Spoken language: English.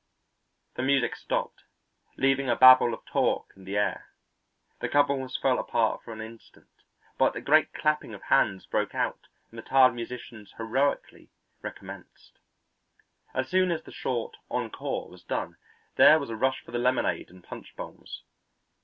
The music stopped, leaving a babel of talk in the air, the couples fell apart for an instant, but a great clapping of hands broke out and the tired musicians heroically recommenced. As soon as the short encore was done there was a rush for the lemonade and punch bowls.